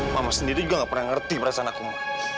mama sendiri juga gak pernah ngerti perasaan aku